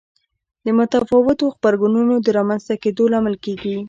د متفاوتو غبرګونونو د رامنځته کېدو لامل کېږي.